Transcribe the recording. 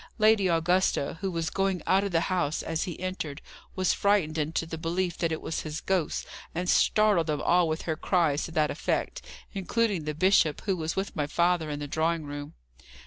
"Lady Augusta, who was going out of the house as he entered, was frightened into the belief that it was his ghost, and startled them all with her cries to that effect, including the bishop, who was with my father in the drawing room."